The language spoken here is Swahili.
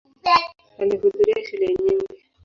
Alihudhuria shule nyingi.